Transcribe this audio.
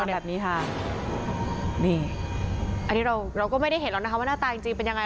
อันนี้เราก็ไม่ได้เห็นแล้วนะคะว่าหน้าตายังจริงเป็นยังไง